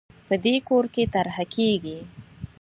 په دې کور کې طرحه کېږي